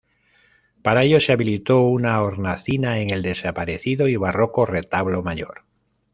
Para ello se habilitó una hornacina en el desaparecido y barroco retablo mayor.